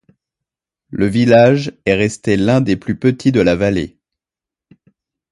Le village est resté l'un des plus petits de la vallée.